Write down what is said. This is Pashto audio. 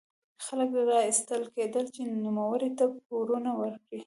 خلک اړ ایستل کېدل چې نوموړي ته پورونه ورکړي.